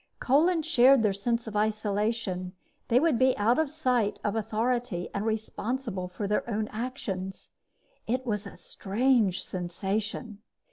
Kolin shared their sense of isolation. They would be out of sight of authority and responsible for their own actions. It was a strange sensation.